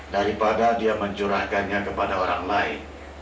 daripada dia mencurahkannya kepada orang lain